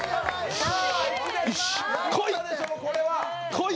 来い！